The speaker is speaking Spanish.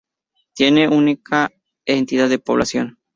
Tiene una única entidad de población.